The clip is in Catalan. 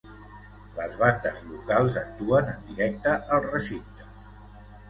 Les bandes locals actuen en directe al recinte.